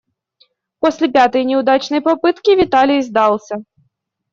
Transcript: После пятой неудачной попытки Виталий сдался.